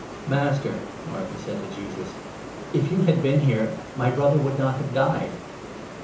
" Master," Martha said to Jesus, " if you had been here, my 21 brother would not have died.